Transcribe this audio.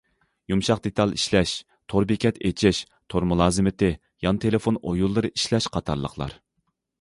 يۇمشاق دېتال ئىشلەش، تور بېكەت ئېچىش، تور مۇلازىمىتى، يان تېلېفون ئويۇنلىرىنى ئىشلەش قاتارلىقلار.